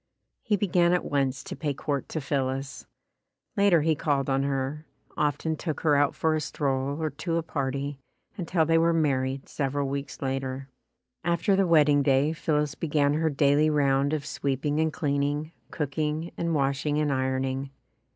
He began at once to pay court to Phillis. Later he called on her, often took her out for a stroll or to a party until they were married several weeks later. After the wedding day, Phillis began her daily round of sweeping and cleaning, cooking and washing and ironing.